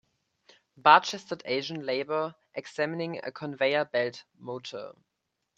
Barechested Asian laborer examining a conveyor belt motor.